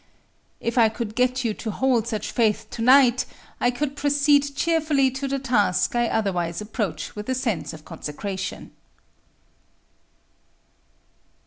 If I could get you to hold such faith to night, I could proceed cheerfully to the task I otherwise approach with a sense of consecration.